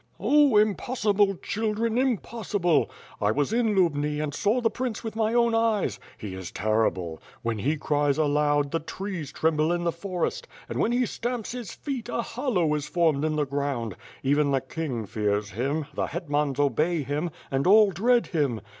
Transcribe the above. "Oh, impossible, children, impossible! I was in Lubni and saw the prince with my own eyes. He is terrible. When he cries aloud, the trees tremble in the forest, and when he stamps his feet, a hollow is formed in the ground; even the king fears him, the hetmans obey him, and all dread him.